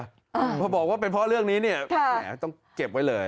ดูตรงแบบว่าเป็นเพราะเรื่องนี้หนะต้องเก็บไว้เลย